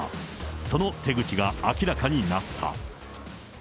その手口が明らかになった。